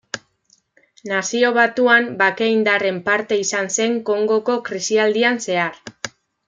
Nazio Batuan bake indarren parte izan zen Kongoko krisialdian zehar.